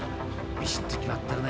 ［ビシッと決まってるね。